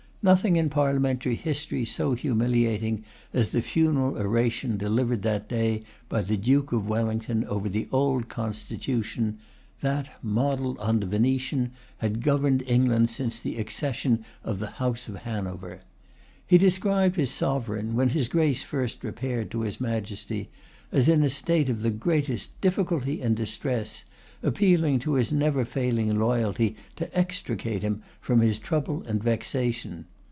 Nothing in parliamentary history so humiliating as the funeral oration delivered that day by the Duke of Wellington over the old constitution, that, modelled on the Venetian, had governed England since the accession of the House of Hanover. He described his Sovereign, when his Grace first repaired to his Majesty, as in a state of the greatest 'difficulty and distress,' appealing to his never failing loyalty to extricate him from his trouble and vexation.